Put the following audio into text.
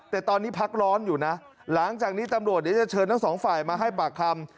แต่ตอนนี้พักร้อนอยู่นะหลังจากนี้ตำรวจเดี๋ยวจะเชิญทั้งสองฝ่ายมาให้ปากคำ